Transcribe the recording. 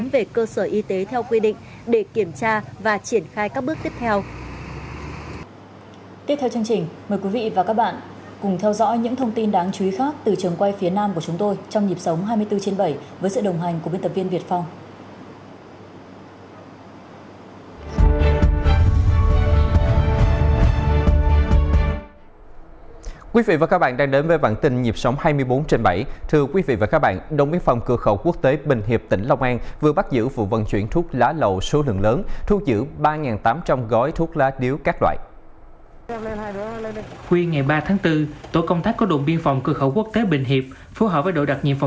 về cơ sở y tế theo quy định để kiểm tra và triển khai các bước tiếp theo